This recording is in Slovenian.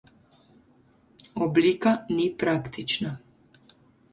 Oblika ni praktična.